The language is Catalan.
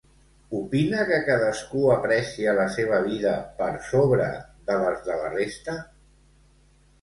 Opina que cadascú aprecia la seva vida per sobre de les de la resta?